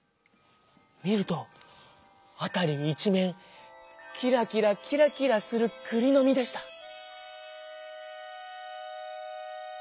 みるとあたりいちめんキラキラキラキラするくりのみでした。